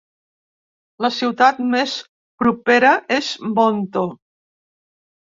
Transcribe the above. La ciutat més propera és monto.